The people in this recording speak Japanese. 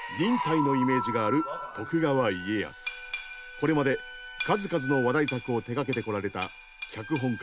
これまで数々の話題作を手がけてこられた脚本家